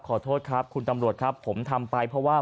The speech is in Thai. ขอโทษครับคุณตำรวจครับผมทำไปเพราะว่า